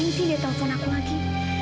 kenapa dia nanti nge telepon aku lagi